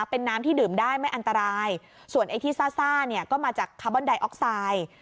เป็นน้ำที่ดื่มได้ไม่อันตรายส่วนไอ้ที่ซ่าเนี่ยก็มาจากคาร์บอนไดออกไซด์